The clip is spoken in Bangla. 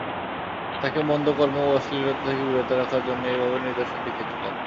তাকে মন্দ কর্ম ও অশ্লীলতা থেকে বিরত রাখার জন্যে এভাবে নিদর্শন দেখিয়েছিলাম।